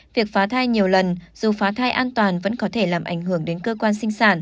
việc phá thai nhiều lần dù phá thai an toàn vẫn có thể làm ảnh hưởng đến cơ quan sinh sản